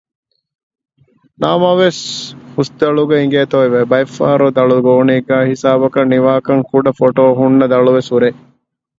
ނަމަވެސް ހުސް ދަޅު އިނގޭތޯއެވެ! ބައެއްފަހަރު ދަޅުގޯނީގައި ހިސާބަކަށް ނިވާކަންކުޑަ ފޮޓޯ ހުންނަ ދަޅުވެސް ހުރޭ